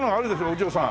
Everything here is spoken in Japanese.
お嬢さん。